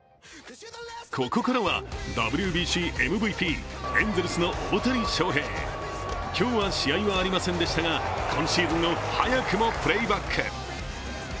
ここからはＷＢＣ・ＭＶＰエンゼルスの大谷翔平。今日は試合はありませんでしたが今シーズンを早くもプレーバック。